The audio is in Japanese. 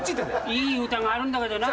いい歌があるんだけどな。